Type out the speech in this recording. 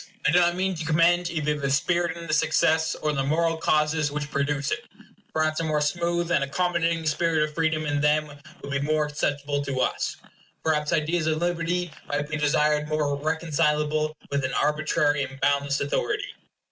I do not mean to commend either the spirit in this excess, or the moral causes which produce it. Perhaps a more smooth and accommodating spirit of freedom in them would be more acceptable to us. Perhaps ideas of liberty might be desired more reconcilable with an arbitrary and boundless authority.